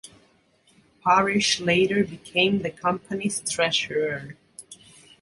Parrish later became the company's treasurer.